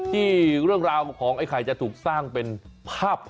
ที่เรื่องราวของไอ้ไข่จะถูกสร้างเป็นภาพ